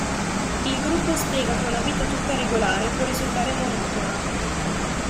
Il gruppo spiega che una vita tutta regolare può risultare monotona.